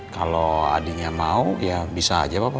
kalau adinya mau ya bisa aja papa